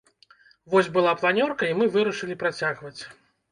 Вось была планёрка і мы вырашылі працягваць.